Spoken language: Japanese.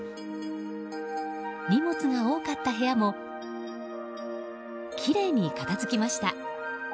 荷物が多かった部屋もきれいに片付きました。